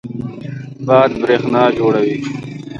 باد برېښنا جوړوي.